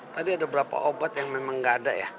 tadi ada beberapa obat yang memang nggak ada ya